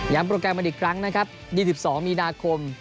โปรแกรมกันอีกครั้งนะครับ๒๒มีนาคม